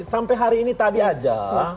sampai hari ini tadi aja